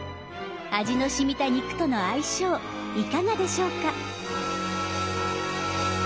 味のしみた肉との相性いかがでしょうか。